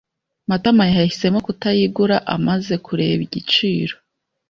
Matama yahisemo kutayigura amaze kureba igiciro.